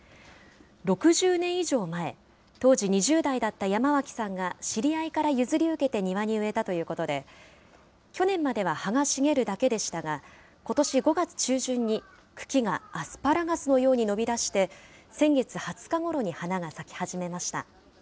６０年以上前、当時２０代だった山脇さんが知り合いから譲り受けて庭に植えたということで、去年までは葉が茂るだけでしたが、ことし５月中旬に茎がアスパラガスのように伸びだして、先月２０日ごろに花が咲き始めました。